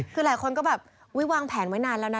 คือหลายคนก็แบบวางแผนไว้นานแล้วนะ